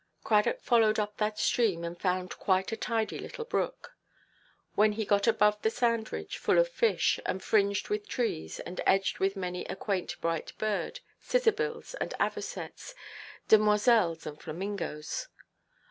Cradock followed up that stream, and found quite a tidy little brook, when he got above the sand–ridge, full of fish, and fringed with trees, and edged with many a quaint bright bird, scissor–bills and avosets, demoiselles and flamingoes.